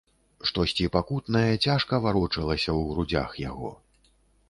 Штосьці пакутнае цяжка варочалася ў грудзях яго.